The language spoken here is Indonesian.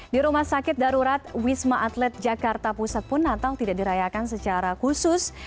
di rumah sakit darurat wisma atlet jakarta pusat pun natal tidak dirayakan secara khusus